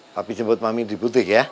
papi jemput mami di butik ya